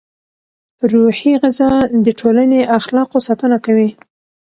روحي غذا د ټولنې اخلاقو ساتنه کوي.